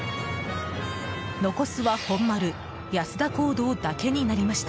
残すは本丸安田講堂だけになりました。